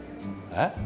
えっ？